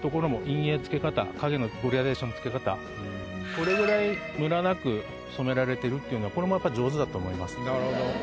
これぐらいムラなく染められてるっていうのはこれもやっぱ上手だと思います。